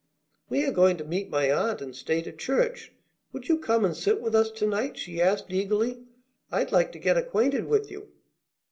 "We are going to meet my aunt and stay to church. Would you come and sit with us to night?" she asked eagerly. "I'd like to get acquainted with you."